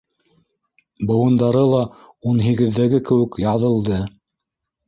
Быуындары ла ун һигеҙҙәге кеүек яҙылды.